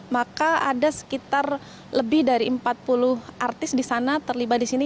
maka ada sekitar lebih dari empat puluh artis di sana terlibat di sini